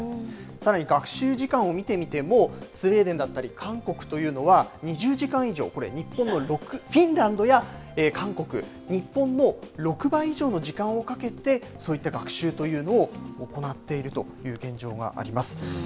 さらに学習時間を見てみても、スウェーデンだったり韓国というのは、２０時間以上、これ、フィンランドや韓国、日本の６倍以上の時間をかけて、そういった学習というのを行っているという現状があります。